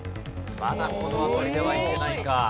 まだこの辺りではいけないか。